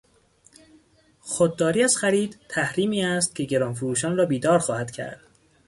خودداری از خرید تحریمی است که گرانفروشان را بیدار خواهد کرد.